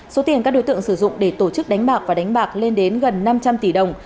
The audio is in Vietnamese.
số tiền các đối tượng sử dụng để tổ chức đánh bạc và đánh bạc lên đến gần năm trăm linh tỷ đồng